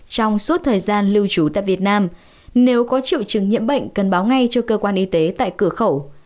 trong suốt thời gian lưu trú tại việt nam nếu có triệu chứng nhiễm bệnh cần báo ngay cho cơ quan y tế tại cửa khẩu